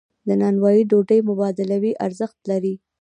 د نانوایی ډوډۍ مبادلوي ارزښت لري.